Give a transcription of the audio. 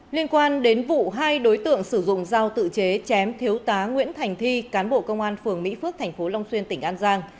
liên quan đến vụ hai đối tượng sử dụng dao tự chế chém thiếu tá nguyễn thành thi cán bộ công an phường mỹ phước tp long xuyên tỉnh an giang